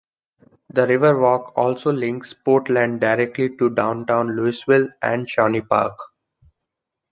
The River Walk also links Portland directly to Downtown Louisville and Shawnee Park.